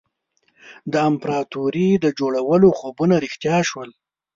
د امپراطوري د جوړولو خوبونه رښتیا شول.